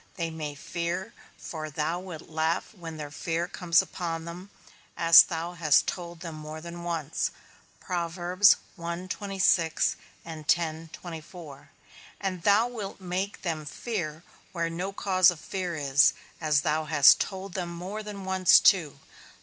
They may fear, for Thou wilt laugh when their fear comes upon them, as thou hast told them more than once. And thou wilt make them fear where no cause of fear is, as thou hast told them more than once too.